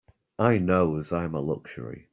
I knows I'm a luxury.